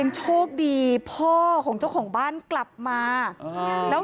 ก็จะเป็นทางให้คุณมาแล้ว